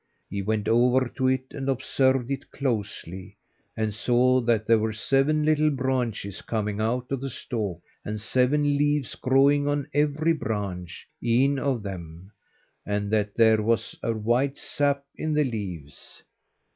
He went over to it, and observed it closely, and saw that there were seven little branches coming out of the stalk, and seven leaves growing on every branch_een_ of them; and that there was a white sap in the leaves.